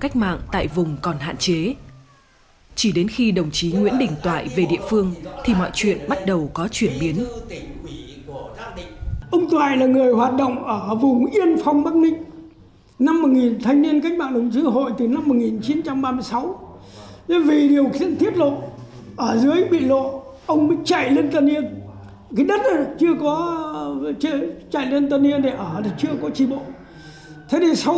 các đảng viên cộng sản đã tìm về các địa phương để gây dựng cơ sở